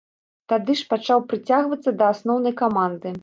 Тады ж пачаў прыцягвацца да асноўнай каманды.